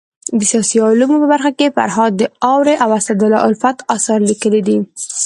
د سیاسي علومو په برخه کي فرهاد داوري او اسدالله الفت اثار ليکلي دي.